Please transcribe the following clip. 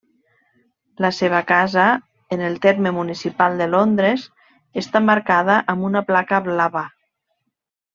La seva casa en el terme municipal de Londres està marcada amb una placa blava.